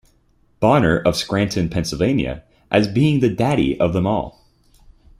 Bonnert of Scranton, Pennsylvania as being the daddy of them all.